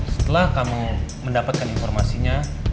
setelah kamu mendapatkan informasinya